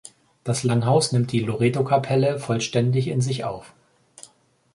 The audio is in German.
Das Langhaus nimmt die Loretokapelle vollständig in sich auf.